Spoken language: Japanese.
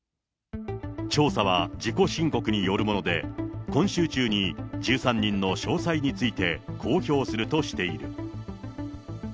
調査は自己申告によるもので、今週中に１３人の詳細について公表するとしている。